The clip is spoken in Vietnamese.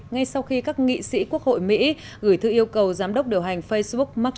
ngay sau khi các nghị sĩ quốc hội mỹ gửi thư yêu cầu giám đốc điều hành facebook mark